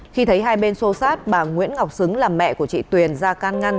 khi thấy hai bên xô sát bà nguyễn ngọc xứng là mẹ của chị tuyền ra can ngăn